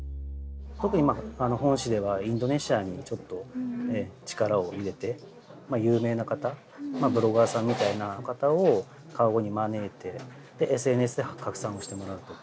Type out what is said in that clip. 特に本市ではインドネシアにちょっと力を入れて有名な方ブロガーさんみたいな方を川越に招いてＳＮＳで拡散をしてもらうと。